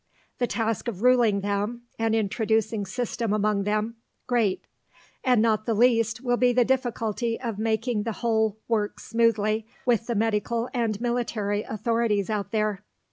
The task of ruling them and introducing system among them, great; and not the least will be the difficulty of making the whole work smoothly with the medical and military authorities out there.